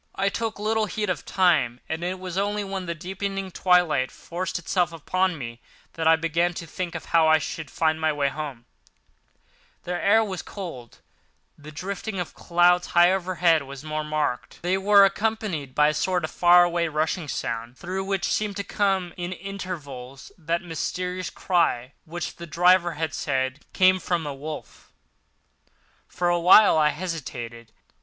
I took little heed of time and it was only when the deepening twilight forced itself upon me that I began to think of how I should find my way home. The brightness of the day had gone. The air was cold, and the drifting of clouds high overhead was more marked. They were accompanied by a sort of far away rushing sound, through which seemed to come at intervals that mysterious cry which the driver had said came from a wolf. For a while I hesitated.